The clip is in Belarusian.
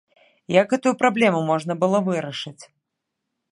Як гэтую праблему можна было вырашаць?